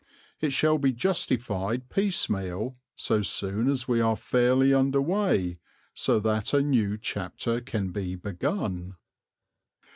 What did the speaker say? It shall be justified piecemeal so soon as we are fairly under way so that a new chapter can be begun.